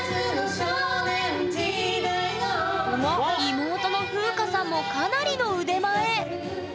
妹の風歌さんもかなりの腕前！